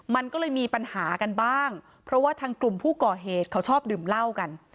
มันก็เลยมีปัญหากันบ้างเพราะว่าทางกลุ่มผู้ก่อเหตุเขาชอบดื่มเหล้ากัน